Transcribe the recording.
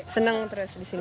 seneng terus disini